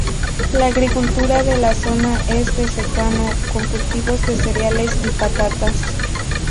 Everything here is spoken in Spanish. La agricultura de la zona es de secano, con cultivos de cereales y patatas.